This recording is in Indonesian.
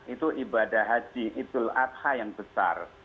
itu ibadah haji idul adha yang besar